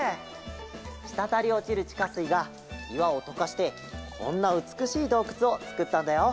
したたりおちるちかすいがいわをとかしてこんなうつくしいどうくつをつくったんだよ。